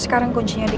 sekarang kuncinya dia